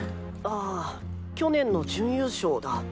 あ去年の準優勝だ。